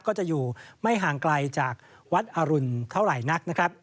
ก็จะอยู่ไม่ห่างไกลจากวัดอรุณเท่าไหร่นักนะครับ